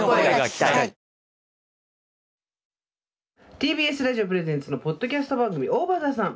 ＴＢＳラジオプレゼンツのポッドキャスト番組「ＯＶＥＲＴＨＥＳＵＮ」。